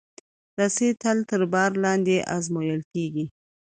رسۍ تل تر بار لاندې ازمېیل کېږي.